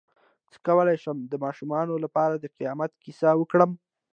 څ�ه کولی شم د ماشومانو لپاره د قیامت کیسه وکړم